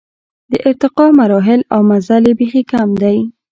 د ارتقا مراحل او مزل یې بېخي کم دی.